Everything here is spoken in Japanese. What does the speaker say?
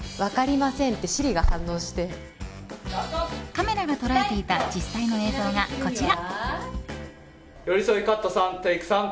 カメラが捉えていた実際の映像がこちら。